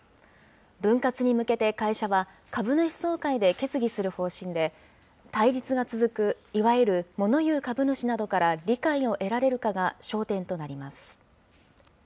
分割に向けて会社は、株主総会で決議する方針で、対立が続くいわゆるモノ言う株主などから理解を得られるかが焦点となります。